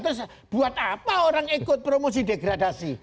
terus buat apa orang ikut promosi degradasi